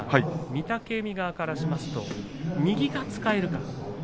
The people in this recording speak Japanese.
御嶽海側からしますと右が使えるか。